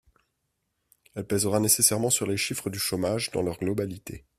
Elle pèsera nécessairement sur les chiffres du chômage dans leur globalité.